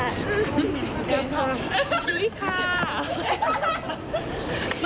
จุ๊ยค่ะ